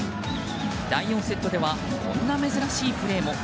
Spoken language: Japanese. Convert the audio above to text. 第４セットではこんな珍しいプレーも。